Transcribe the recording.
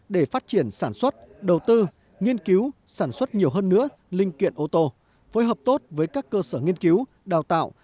để phát triển sản xuất đầu tư nghiên cứu sản xuất nhiều hơn nữa linh kiện ô tô phối hợp tốt với các cơ sở nghiên cứu đào tạo